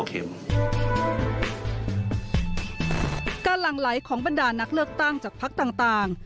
หลั่งไหลของบรรดานักเลือกตั้งจากพักต่าง